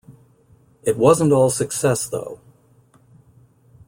It wasn't all success, though.